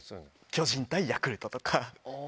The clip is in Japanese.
巨人対ヤクルトとか。